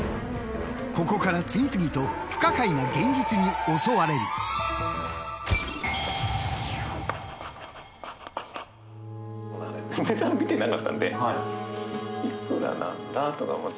ここから次々と不可解な現実に襲われる。とか思って。